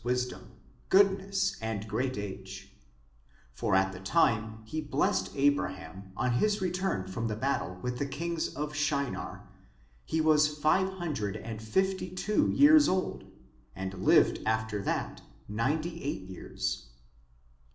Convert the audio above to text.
26b wisdom, goodness and great age — for at the time he blessed Abraham, on his return from the battle with the kings of Shinar, he was five hundred and fifty two years old, and lived after that ninety eight years.